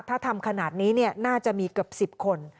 ถ้าทำขนาดนี้น่าจะมีเกือบ๑๐คน